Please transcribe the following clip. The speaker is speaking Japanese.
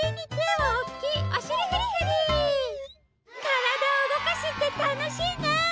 からだをうごかすってたのしいね！